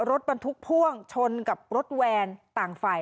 รถมันทุกข์พ่วงชนกับรถแวนต่างไฟ